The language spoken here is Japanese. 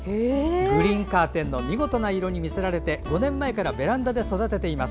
グリーンカーテンの見事な色に見せられて５年前からベランダで育てています。